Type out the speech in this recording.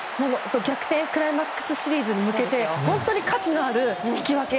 逆転クライマックスシリーズに向けて本当に価値のある引き分け。